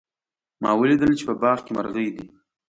ما ولیدل چې په باغ کې مرغۍ دي